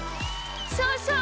そうそう！